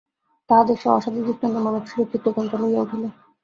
তাহাদের সেই অসাধু দৃষ্টান্তে মানবশিশুর চিত্ত চঞ্চল হইয়া উঠিল।